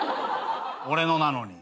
俺のなのに。